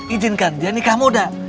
ijinkan dia nikah muda